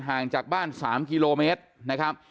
ห่างจากบ้าน๓กิโลเมตรนะครับ